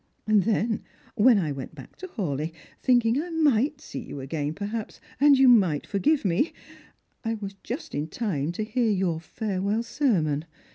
And then when I went back to Hawleigh, thinking I might see j^u again, perhaps, and you might forgive me, I was just in time to hear your farewell sermon.